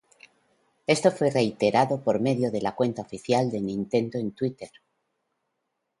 Esto fue reiterado por medio de la cuenta oficial de Nintendo en Twitter.